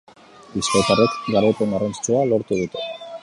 Bizkaitarrek garaipen garrantzitsua lortu dute.